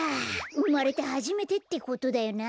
うまれてはじめてってことだよなあ。